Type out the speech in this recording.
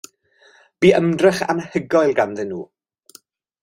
Bu ymdrech anhygoel ganddyn nhw.